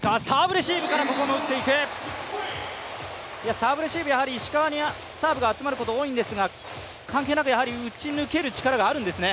サーブレシーブ、やはり石川にサーブが集まることが多いんですが関係なく打ち抜ける力があるんですね。